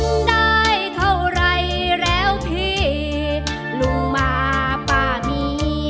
เมื่อไหร่เท่าไหร่แล้วพี่ลุงมาป่ามี